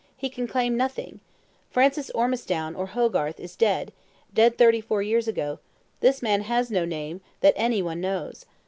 "He can claim nothing. Francis Ormistown, or Hogarth, is dead dead thirty four years ago: this man has no name that any one knows.